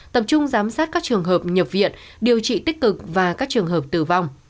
tập trung giám sát các trường hợp nhập viện điều trị tích cực và các trường hợp tử vong